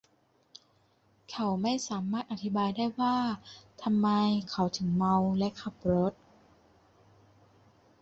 เขาไม่สามารถอธิบายได้ว่าทำไมเขาถึงเมาและขับรถ